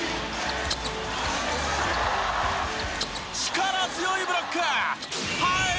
力強いブロック！